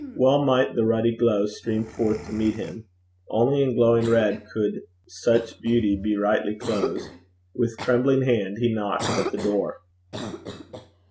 Well might the ruddy glow stream forth to meet him! Only in glowing red could such beauty be rightly closed. With trembling hand he knocked at the door.